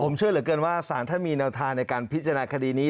ผมเชื่อเหลือเกินว่าสารท่านมีแนวทางในการพิจารณาคดีนี้